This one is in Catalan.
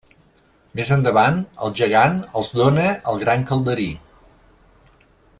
Més endavant el gegant els dóna el gran calderí.